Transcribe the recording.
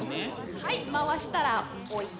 はい回したら置いて。